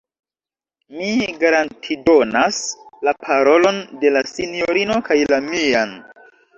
Mi garantidonas la parolon de la sinjorino kaj la mian.